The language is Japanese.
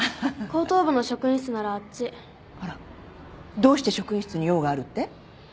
どうして職員室に用があるって？